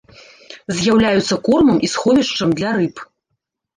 З'яўляюцца кормам і сховішчам для рыб.